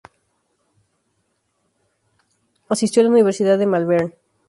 Asistió a la Universidad de Malvern.